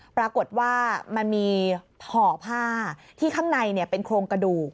ปรากฏว่ามันมีห่อผ้าที่ข้างในเป็นโครงกระดูก